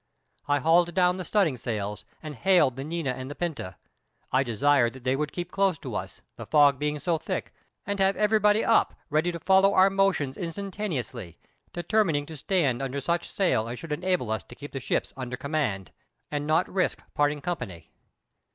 I hauled down the studding sails and hailed the Niña and the Pinta: I desired that they would keep close to us, the fog being so thick, and have everybody up ready to follow our motions instantaneously, determining to stand under such sail as should enable us to keep the ships under command, and not risk parting company.